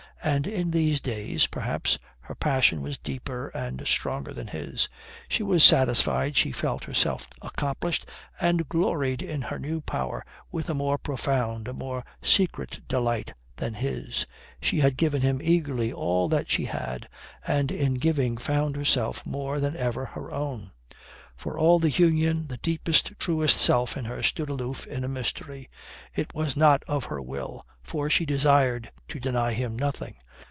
And in these days, perhaps, her passion was deeper and stronger than his. She was satisfied, she felt herself accomplished, and gloried in her new power with a more profound, a more secret delight than his. She had given him eagerly all that she had, and in the giving found herself more than ever her own. For all the union, the deepest, truest self in her stood aloof in a mystery. It was not of her will, for she desired to deny him nothing.